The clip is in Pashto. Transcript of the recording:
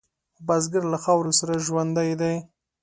بزګر له خاورو سره ژوندی دی